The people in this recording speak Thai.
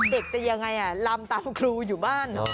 เด็กจะยังไงลำตามครูอยู่บ้าน